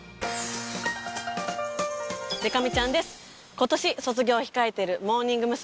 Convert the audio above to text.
今年卒業を控えてるモーニング娘。